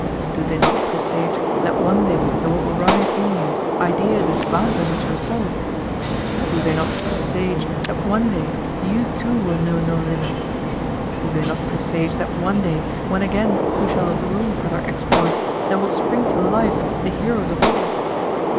Do they not presage that one day there will arise in you ideas as boundless as yourself? Do they not presage that one day you too will know no limits? Do they not presage that one day, when again you shall have room for their exploits, there will spring to life the heroes of old?